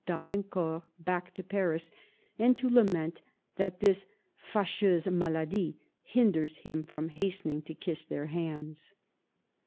d'Alincourt back to Paris and to lament that his " fascheuse maladie " hinders him from hastening to kiss their hands.